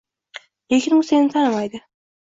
Lekin u seni tanimaydi.